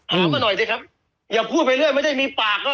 มาหน่อยสิครับอย่าพูดไปเรื่อยไม่ได้มีปากก็